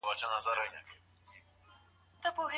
آیا کرنه د تمدن پیل و؟